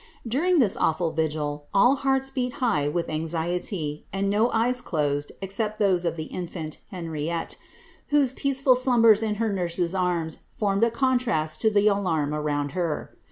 ^ During this awful vigil, all hearts beat high with anxiety, and no eyes closed except those of the infant, Henriette, vhose peaceful slumbers in her nurse^s arms formed a contrast to the alarm around her.